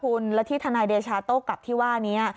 คุณแล้วที่ทนายเดชาโต้กลับที่ว่านี้